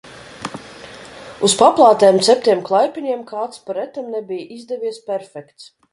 Uz paplātēm ceptiem klaipiņiem kāds, pa retam, nebija izdevies perfekts.